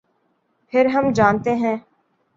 پھر ہم جانتے ہیں۔